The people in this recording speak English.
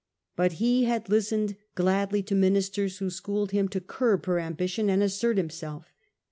But he had listened couraged by gladly to ministers who schooled him to curb her ambition and assert himself.